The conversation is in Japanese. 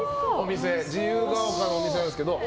自由が丘のお店ですけど。